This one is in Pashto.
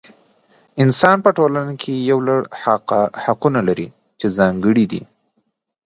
انسانان په ټولنه کې یو لړ حقونه لري چې ځانګړي دي.